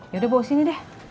yaudah bawa sini deh